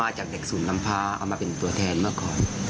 จากเด็กศูนย์น้ำพาเอามาเป็นตัวแทนเมื่อก่อน